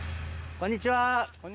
・こんにちは！